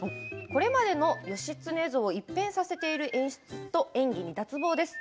これまでの義経像を一変させている演出と演技に脱帽です。